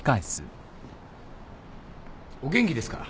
お元気ですか？